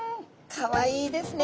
かわいいですね。